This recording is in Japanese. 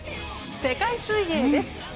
世界水泳です。